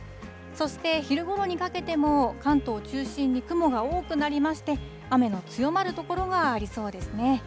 そして昼ごろにかけても関東を中心に雲が多くなりまして、雨の強まる所がありそうですね。